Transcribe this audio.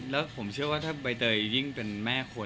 แล้วผมเชื่อว่าถ้าใบเตยยิ่งเป็นแม่คน